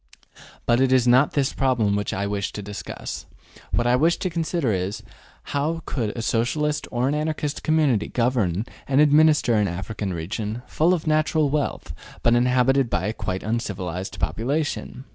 But it is not this problem which I wish to discuss. What I wish to consider is, how could a Socialist or an Anarchist community govern and administer an African region, full of natural wealth, but inhabited by a quite uncivilized population?